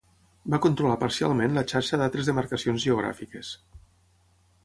Va controlar parcialment la xarxa d'altres demarcacions geogràfiques.